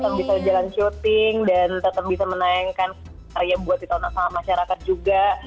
dan kita bisa menangkan syuting dan tetap bisa menayangkan karya buat di tengah masyarakat juga